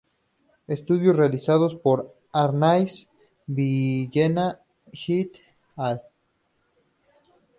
Estudios realizados por Arnaiz Villena et al.